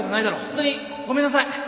ホントにごめんなさい